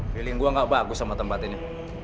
keliling gue gak bagus sama tempat ini